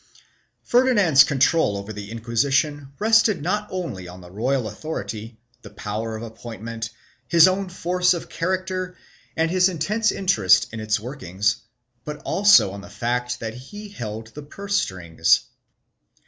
2 Ferdinand's control over the Inquisition rested not only on the royal authority, the power of appointment, his own force of character and his intense interest in its workings, but also on the fact that he held the purse strings.